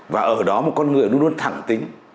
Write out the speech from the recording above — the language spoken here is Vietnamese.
và ở đó một con người luôn luôn thẳng tính